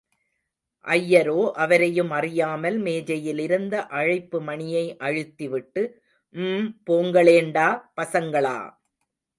ஐயரோ அவரையும் அறியாமல் மேஜையிலிருந்த அழைப்பு மணியை அழுத்திவிட்டு, ம்... போங்களேண்டா பசங்களா!...